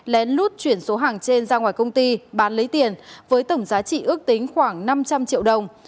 lén lút chuyển số hàng trên ra ngoài công ty bán lấy tiền với tổng giá trị ước tính khoảng năm trăm linh triệu đồng